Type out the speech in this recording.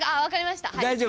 分かりました。